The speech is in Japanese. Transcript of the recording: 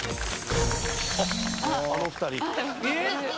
あの２人。